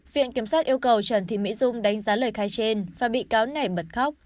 viện kiểm sát yêu cầu trần thị mỹ dung đánh giá lời khai trên và bị cáo này bật khóc